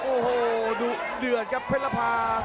โอ้โหดุเดือดครับเพชรภา